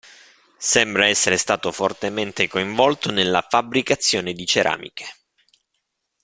Sembra essere stato fortemente coinvolto nella fabbricazione di ceramiche.